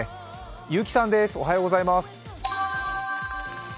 結城さんおはようございます。